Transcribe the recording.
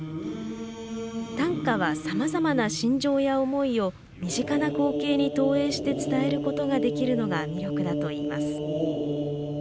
短歌は、さまざまな心情や思いを身近な光景に投影して伝えることができるのが魅力だといいます。